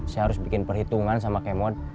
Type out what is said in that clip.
saya harus bikin perhitungan sama kemod